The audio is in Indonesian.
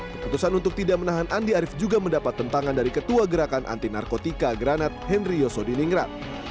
keputusan untuk tidak menahan andi arief juga mendapat tentangan dari ketua gerakan anti narkotika granat henry yosodiningrat